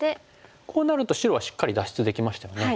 こうなると白はしっかり脱出できましたよね。